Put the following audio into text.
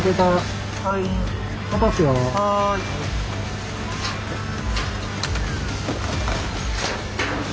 はい。